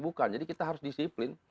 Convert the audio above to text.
bukan jadi kita harus disiplin